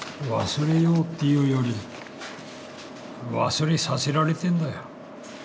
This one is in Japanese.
忘れようっていうより忘れさせられてんだよ。